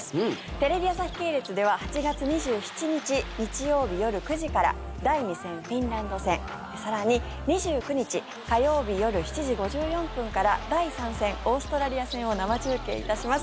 テレビ朝日系列では８月２７日、日曜日夜９時から第２戦、フィンランド戦更に２９日、火曜日夜７時５４分から第３戦、オーストラリア戦を生中継いたします。